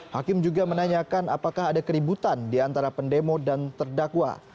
hakim juga menanyakan apakah ada keributan di antara pendemo dan terdakwa